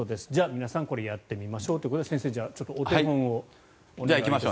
皆さん、これをやってみましょうということで先生、お手本をお願いします。